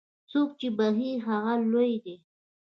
څوک چې بخښي، هغه لوی دی.